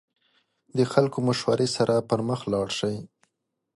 د خلکو مشورې سره پرمخ لاړ شئ.